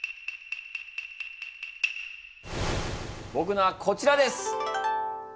ぼくのはこちらです！